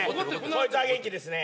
こいつは元気ですね。